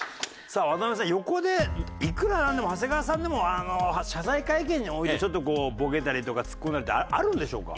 さあ渡辺さん横でいくらなんでも長谷川さんでも謝罪会見においてちょっとこうボケたりとかツッコんだりってあるんでしょうか？